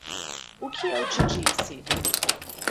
O que eu te disse?